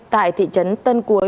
tại thị trấn tân cú